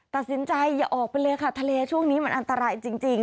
ตัดสินใจอย่าออกไปเลยค่ะทะเลช่วงนี้มันอันตรายจริง